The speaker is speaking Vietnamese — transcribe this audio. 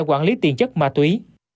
quản lý tiền chất ma túy